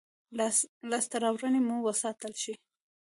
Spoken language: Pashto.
لاسته راوړنې مو وساتل شي.